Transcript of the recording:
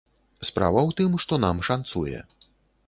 Справа ў тым, што нам шанцуе.